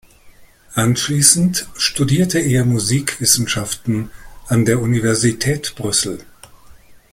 Anschließend studierte er Musikwissenschaften an der Universität Brüssel.